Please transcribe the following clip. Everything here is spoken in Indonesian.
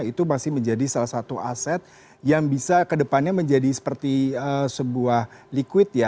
itu masih menjadi salah satu aset yang bisa kedepannya menjadi seperti sebuah liquid ya